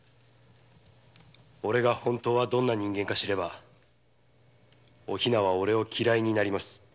おれが本当はどんな人間か知ればお比奈はおれを嫌いになります。